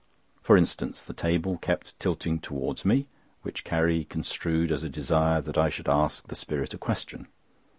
For instance, the table kept tilting towards me, which Carrie construed as a desire that I should ask the spirit a question.